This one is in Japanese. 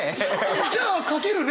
じゃあ書けるね！